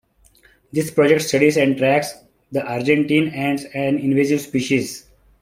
This project studies and tracks the Argentine ants, an invasive species.